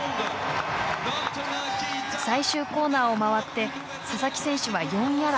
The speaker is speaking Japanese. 最終コーナーを回って佐々木選手は４位争い。